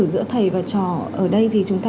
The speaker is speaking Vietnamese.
giữa thầy và trò ở đây thì chúng ta